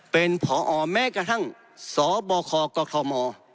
เป็นพอแม้กระทั่งสบคกม